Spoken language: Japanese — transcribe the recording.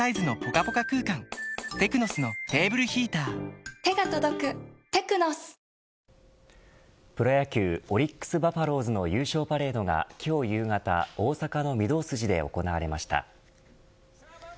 存在感を発揮したのはプロ野球オリックス・バファローズの優勝パレードが、今日夕方大阪の御堂筋で行われました。